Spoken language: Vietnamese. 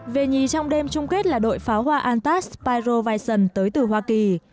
về nhì trong đêm chung kết là đội pháo hoa antas pyro vison tới từ hoa kỳ